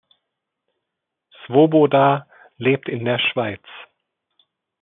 Svoboda lebt in der Schweiz.